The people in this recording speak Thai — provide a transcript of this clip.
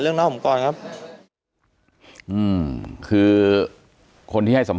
ต่อยอีกต่อยอีกต่อยอีกต่อยอีก